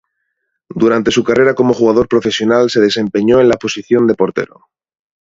Durante su carrera como jugador profesional se desempeñó en la posición de portero.